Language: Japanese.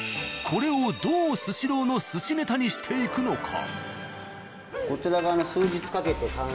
これをどう「スシロー」の寿司ネタにしていくのか。